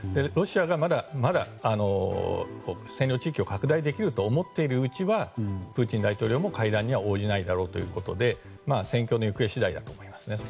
ロシアがまだ占領地域を拡大できると思っているうちはプーチン大統領も会談には応じないということで戦況の行方次第だと思います。